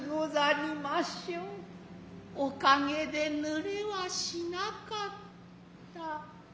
おかげで濡れはしなかつた。